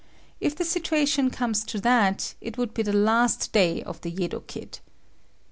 If the situation comes to that, it would be the last day of the Yedo kid.